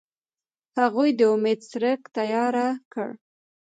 هغوی د امید څرک تیاره کړ.